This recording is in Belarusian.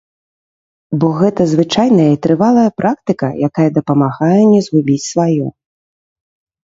Бо гэта звычайная і трывалая практыка, якая дапамагае не згубіць сваё.